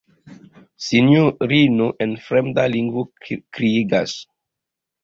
Sinjorino en fremda lingvo kriegas.